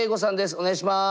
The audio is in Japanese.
お願いします。